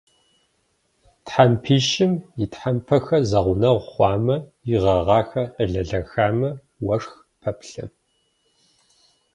Тхьэмпищым и тхьэмпэхэр зэгъунэгъу хъуамэ, и гъэгъахэр къелэлэхамэ, уэшх пэплъэ.